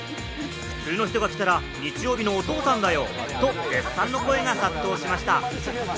普通の人が着たら日曜日のお父さんだよと絶賛の声が殺到しました。